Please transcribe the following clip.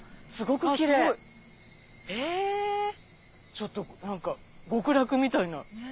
ちょっと何か極楽みたいな。